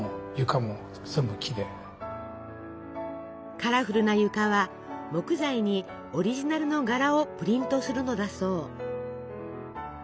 カラフルな床は木材にオリジナルの柄をプリントするのだそう。